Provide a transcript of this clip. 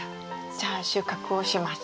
じゃあ収穫をします。